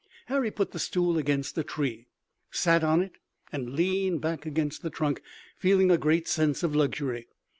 Harry put the stool against a tree, sat on it and leaned back against the trunk, feeling a great sense of luxury.